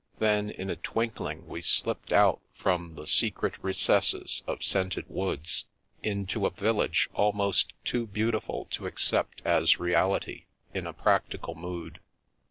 Then in a twinkling we slipped out from the secret re cesses of scented woods, into a village almost too beautiful to accept as reality, in a practical mood.